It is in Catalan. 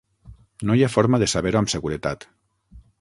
No hi ha forma de saber-ho amb seguretat.